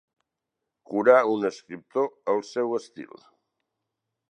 Curar un escriptor el seu estil.